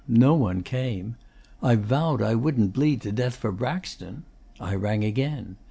No one came. I vowed I wouldn't bleed to death for Braxton. I rang again.